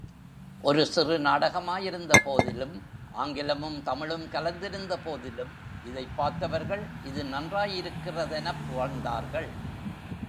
ஒரு சிறு நாடகமாயிருந்தபோதிலும், ஆங்கிலமும் தமிழும் கலந்திருந்தபோதிலும், இதைப் பார்த்தவர்கள் இது நன்றாயிருக்கிறதெனப் புகழ்ந்தார்கள்.